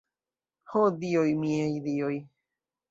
Ho dioj, miaj dioj!